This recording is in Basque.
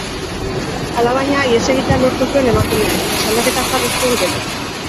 Alabaina, ihes egitea lortu zuen emakumeak, eta salaketa jarri zuen gero.